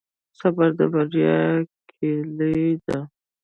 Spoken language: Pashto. صبر د بریا کیلي ده.